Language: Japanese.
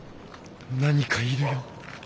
何かいるよ！